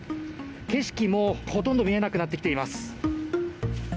景色もほとんど見えなくなってきています。